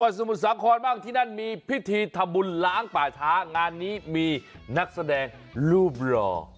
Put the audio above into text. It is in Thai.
ประสบุสังควรบ้างที่นั่นมีพิธีทะบุญล้างป่าท้างานนี้มีนักแสดงลูบรอ